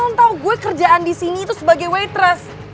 kalian tau gue kerjaan disini itu sebagai waitress